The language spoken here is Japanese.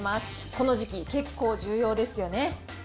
この時期、結構重要ですよね。